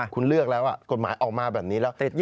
คุณเลือกแล้วกฎหมายออกมาแบบนี้แล้ว